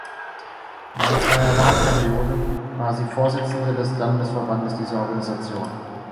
Während zweier Wahlperioden war sie Vorsitzende des Landesvorstands dieser Organisation.